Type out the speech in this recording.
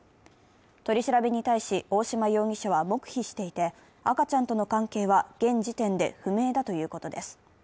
取り調べに対し大嶋容疑者は黙秘していて、赤ちゃんとの関係は現時点で不明だということです。